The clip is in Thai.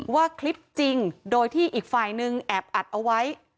ว่าคลิปจริงโดยที่อีกฝ่ายนึงแอบอัดเอาไว้